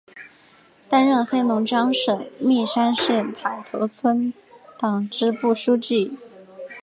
担任黑龙江省密山市塔头村党支部书记。